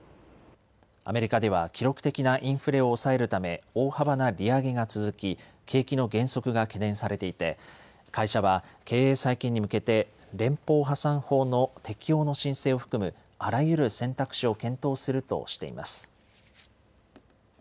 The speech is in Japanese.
アメリカでは記録的なインフレを抑えるため大幅な利上げが続き景気の減速が懸念されていて会社は経営再建に向けて連邦破産法の適用の申請を含むあらゆる選択肢を検討するとしています。